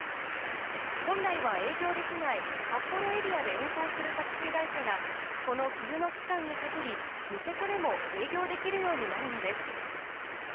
本来は営業できない札幌エリアで運行するタクシー会社が、この冬の期間に限り、ニセコでも営業できるようになるのです。